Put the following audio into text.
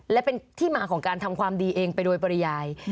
และเป็นที่มาของการทำความดีเองไปโดยปริยาย